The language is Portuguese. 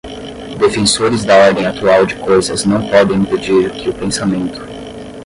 defensores da ordem atual de coisas não podem impedir que o pensamento